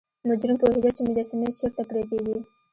مجرم پوهیده چې مجسمې چیرته پرتې دي.